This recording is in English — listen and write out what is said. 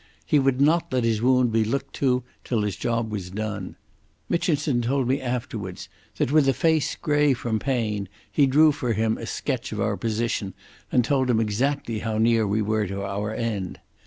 He would not let his wound be looked to till his job was done. Mitchinson told me afterwards that with a face grey from pain he drew for him a sketch of our position and told him exactly how near we were to our end....